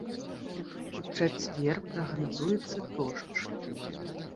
У чацвер прагназуецца дождж.